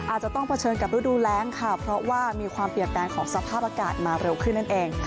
อาจจะต้องเผชิญกับฤดูแรงค่ะเพราะว่ามีความเปลี่ยนแปลงของสภาพอากาศมาเร็วขึ้นนั่นเอง